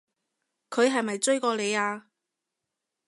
佢係咪追過你啊？